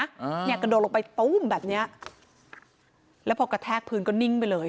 อ่าเนี่ยกระโดดลงไปตู้มแบบเนี้ยแล้วพอกระแทกพื้นก็นิ่งไปเลย